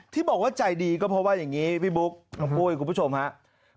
ที่บอกว่าใจดีก็เพราะว่าอย่างนี้พี่บุ๊คน้องปุ้ยคุณผู้ชมครับ